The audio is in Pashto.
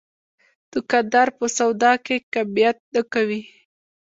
دوکاندار په سودا کې کمیت نه کوي.